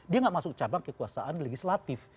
dia tidak masuk ke cabang kekuasaan legislatif